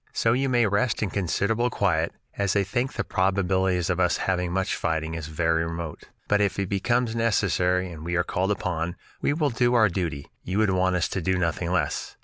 "So you may rest in considerable quiet, as I think the probabilities of us having much fighting is very remote. But if it becomes necessary and we are called upon, we will do our duty; you would want us to do nothing less.